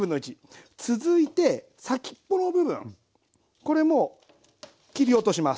続いて先っぽの部分これも切り落とします。